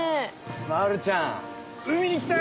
まるちゃん海にきたよ！